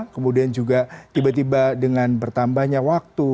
kemudian juga tiba tiba dengan bertambahnya waktu